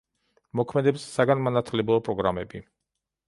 მოქმედებს საგანმანათლებლო პროგრამები,